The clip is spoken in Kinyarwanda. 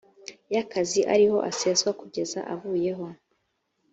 y akazi ariho aseswa kugeza avuyeho